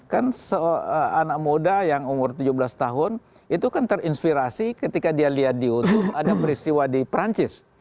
kan anak muda yang umur tujuh belas tahun itu kan terinspirasi ketika dia lihat di youtube ada peristiwa di perancis